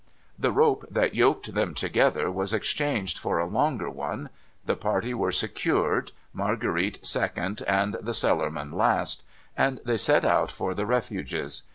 The rope that yoked them together was exchanged for a longer one ; the party w^ere secured, Marguerite second, and the Cellarman last ; and they set out for the Refuges.